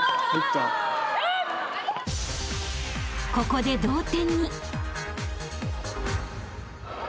［ここで同点に］